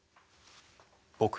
僕。